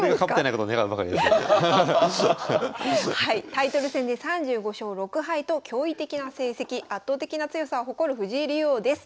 タイトル戦で３５勝６敗と驚異的な成績圧倒的な強さを誇る藤井竜王です。